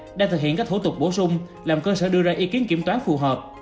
đang thực hiện các thủ tục bổ sung làm cơ sở đưa ra ý kiến kiểm toán phù hợp